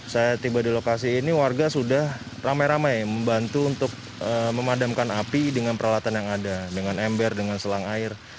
saya tiba di lokasi ini warga sudah ramai ramai membantu untuk memadamkan api dengan peralatan yang ada dengan ember dengan selang air